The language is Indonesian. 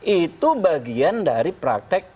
itu bagian dari praktek